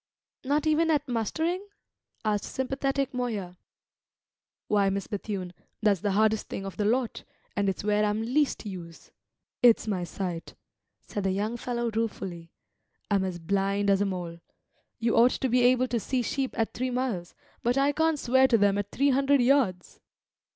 "Not even at mustering?" asked sympathetic Moya. "Why, Miss Bethune, that's the hardest thing of the lot, and it's where I'm least use. It's my sight," said the young fellow ruefully; "I'm as blind as a mole. You ought to be able to see sheep at three miles, but I can't swear to them at three hundred yards."